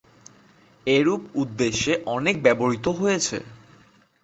এরুপ উদ্দেশ্যে অনেক ব্যবহৃত হয়েছে।